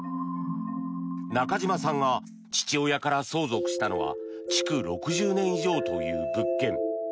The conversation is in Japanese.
中島さんが父親から相続したのは築６０年以上という物件。